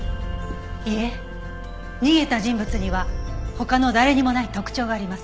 いえ逃げた人物には他の誰にもない特徴があります。